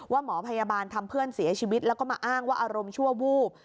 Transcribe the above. หมอพยาบาลทำเพื่อนเสียชีวิตแล้วก็มาอ้างว่าอารมณ์ชั่ววูบ